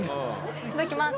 いただきます。